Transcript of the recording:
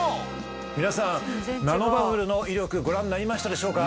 皆さんナノバブルの威力ご覧になりましたでしょうか？